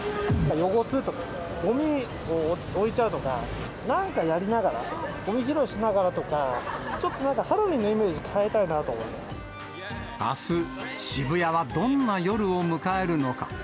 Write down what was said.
汚すとか、ごみを置いちゃうとか、なんかやりながら、ごみ拾いしながらとか、ちょっとなんか、ハロウィーンのイメージ、変えたあす、渋谷はどんな夜を迎えるのか。